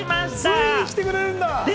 ついに来てくれるんだ！